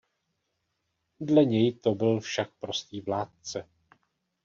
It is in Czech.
Dle něj to byl však prostý vládce.